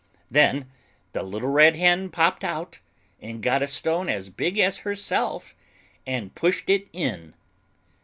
Then the little Red Hen popped out, got a stone as big as herself, and pushed it in.